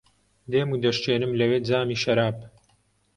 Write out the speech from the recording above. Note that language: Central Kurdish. دێم و دەشکێنم لەوێ جامی شەراب